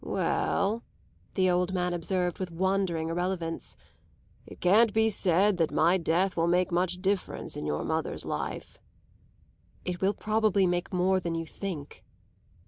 "Well," the old man observed with wandering irrelevance, "it can't be said that my death will make much difference in your mother's life." "It will probably make more than you think."